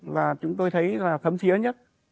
và chúng tôi thấy là thấm thiế nhất